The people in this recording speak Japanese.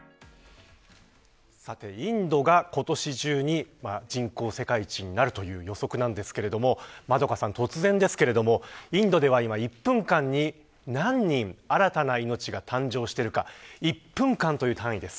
さて、インドが今年中に人口世界一になるという予測ですが円香さん、突然ですがインドでは、今１分間に何人、新たな命が誕生しているか１分間という単位です。